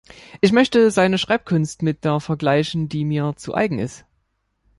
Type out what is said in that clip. Ich möchte seine Schreibkunst mit der vergleichen, die mir zu eigen ist.